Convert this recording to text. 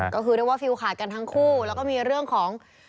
ก็คือเรียกว่าฟิลขาดกันทั้งคู่แล้วก็มีเรื่องของ